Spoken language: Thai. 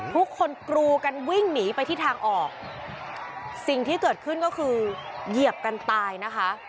ทุกคนกรูกันวิ่งหนีไปที่ทางออกสิ่งที่เกิดขึ้นก็คือเหยียบกันตายนะคะ